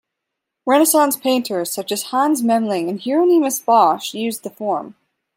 Renaissance painters such as Hans Memling and Hieronymus Bosch used the form.